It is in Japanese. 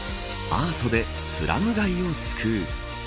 アートでスラム街を救う。